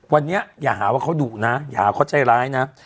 วันนี้อย่าหาว่าเขาดุนะอย่าเขาใจร้ายนะ